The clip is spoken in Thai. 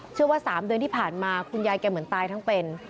เชื่อว่า๓เดือนที่ผ่านมาคุณยายแกเหมือนตายทั้งเป็น